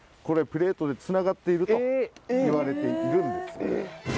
これプレートでつながっているといわれているんです。